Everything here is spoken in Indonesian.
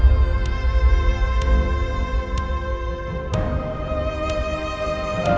saya tidak mengerti